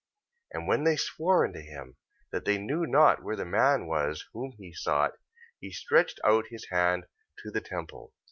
14:32. And when they swore unto him, that they knew not where the man was whom he sought, he stretched out his hand to the temple, 14:33.